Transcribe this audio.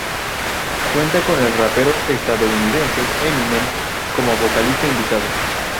Cuenta con el rapero estadounidense Eminem, como vocalista invitado.